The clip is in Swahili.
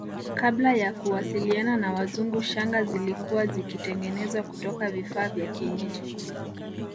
Kabla ya kuwasiliana na Wazungu shanga zilikuwa zikitengenezwa kutoka vifaa vya kienyeji